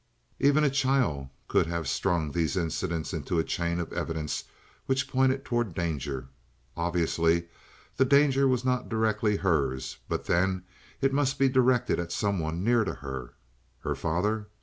Even a child could have strung these incidents into a chain of evidence which pointed toward danger. Obviously the danger was not directly hers, but then it must be directed at some one near to her. Her father?